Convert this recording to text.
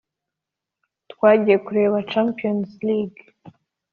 twagiye kureba champions league